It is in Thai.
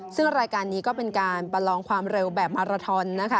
ซึ่งรายการนี้ก็เป็นการประลองความเร็วแบบมาราทอนนะคะ